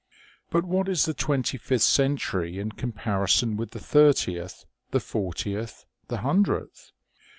But what is the twenty fifth century in comparison with the thirtieth, the fortieth, the hundredth